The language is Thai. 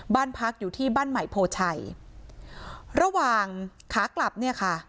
บ้านพักอยู่ที่บ้านใหม่โพชัยระหว่างขากลับเนี่ยค่ะ